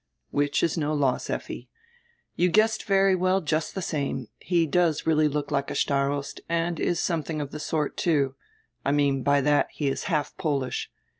"Which is no loss, Effi. You guessed very well just die same. He does really look like a starost and is somediing of die sort, too. I mean by diat, he is half Polish.